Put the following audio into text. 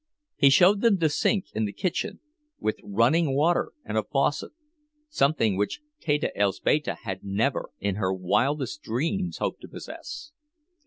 He showed them the sink in the kitchen, with running water and a faucet, something which Teta Elzbieta had never in her wildest dreams hoped to possess.